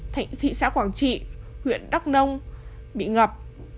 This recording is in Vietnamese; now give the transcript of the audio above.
thị xã quảng trị huyện đắk nông bị ngập